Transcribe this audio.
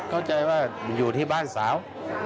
เข้าใจว่าอยู่ที่บ้านสาว